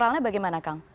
soalnya bagaimana kang